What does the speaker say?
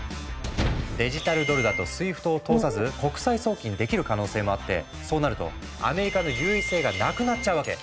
デジタルドルだとＳＷＩＦＴを通さず国際送金できる可能性もあってそうなるとアメリカの優位性がなくなっちゃうわけ。